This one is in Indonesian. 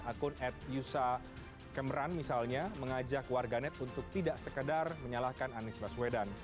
akun ad yusa kemeran misalnya mengajak warganet untuk tidak sekedar menyalahkan anies baswedan